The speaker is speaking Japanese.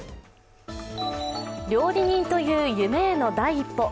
料理人という夢への第一歩。